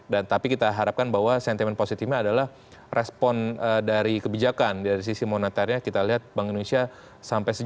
dan tapi kita harapkan bahwa sentimen positifnya adalah respon dari kebijakan dari sisi monetaranya kita lihat bank indonesia sampai selesai